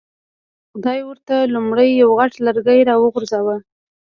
خدای ورته لومړی یو غټ لرګی را وغورځاوه.